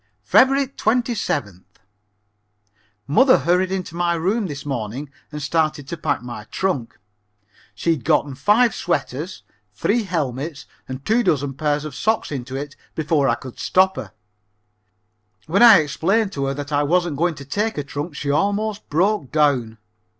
Feb. 27th. Mother hurried into my room this morning and started to pack my trunk. She had gotten five sweaters, three helmets and two dozen pairs of socks into it before I could stop her. When I explained to her that I wasn't going to take a trunk she almost broke down.